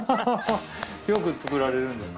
よく作られるんですか？